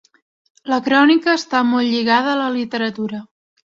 La crònica està molt lligada a la literatura.